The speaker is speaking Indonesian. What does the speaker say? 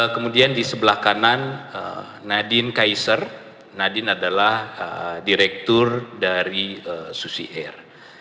kemudian di sebelah kanan nadine kaisar nadine adalah direktur dari susi air